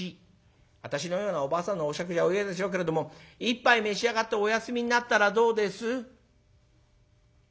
私のようなおばあさんのお酌じゃお嫌でしょうけれども一杯召し上がってお休みになったらどうです」。